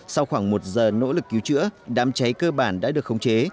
sau khoảng một giờ nỗ lực cứu chữa đám cháy cơ bản đã được khống chế